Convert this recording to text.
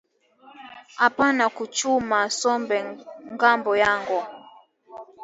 Apana ku chuma sombe ngambo yango